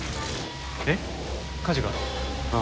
えっ火事が？ああ。